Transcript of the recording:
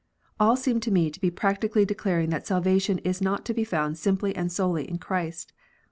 All seem to me to be practically declaring that salvation is not to be found simply and solely in Christ.